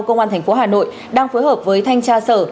công an tp hcm đang phối hợp với thanh tra sở